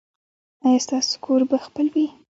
ایا ستاسو کور به خپل وي؟